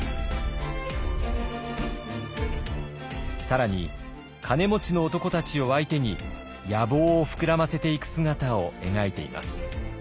更に金持ちの男たちを相手に野望を膨らませていく姿を描いています。